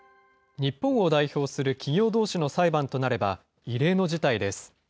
日本を代表する企業どうしの裁判となれば、異例の事態です。